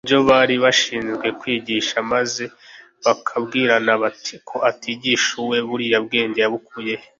ibyo bari bashinzwe kwigisha maze bakabwirana bati :^«Ko atigishuwe, buriya bwenge yabukuye he?